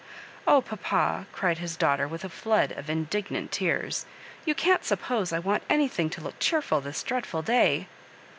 " Oh, papa," cried his daughter, with a flood of indignant tears, "you can't suppose I want anything to look cheerful this dreadful day."